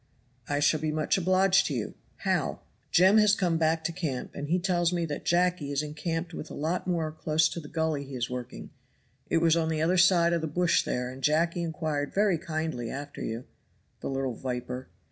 "I shall be much obliged to you. How?" "Jem has come back to camp and he tells me that Jacky is encamped with a lot more close to the gully he is working it was on the other side the bush there and Jacky inquired very kind after you." "The little viper."